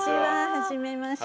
はじめまして。